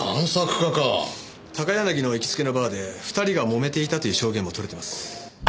高柳の行きつけのバーで二人がもめていたという証言も取れてます。